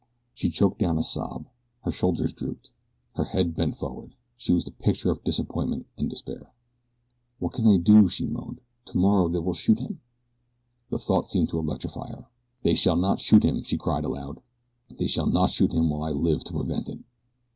She choked down a sob. Her shoulders drooped. Her head bent forward. She was the picture of disappointment and despair. "What can I do?" she moaned. "Tomorrow they will shoot him!" The thought seemed to electrify her. "They shall not shoot him!" she cried aloud. "They shall not shoot him while I live to prevent it!"